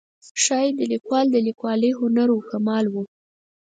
ښایي د لیکوال د لیکوالۍ هنر و کمال و.